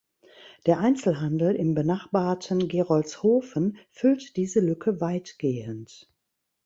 Der Einzelhandel im benachbarten Gerolzhofen füllt diese Lücke weitgehend.